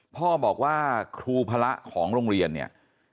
พ่อบอกว่าครูพระของโรงเรียนเนี่ย